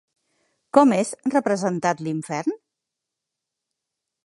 Com és representat l'infern?